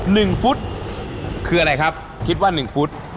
ฟุตคืออะไรครับคิดว่าหนึ่งฟุต